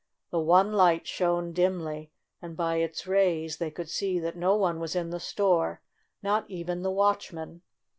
The one light shone dimly, and by its rays they could see that no one was in the store — not even the watchman.